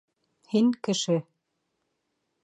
— Һин кеше.